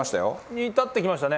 煮立ってきましたね。